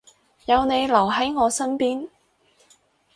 有你留喺我身邊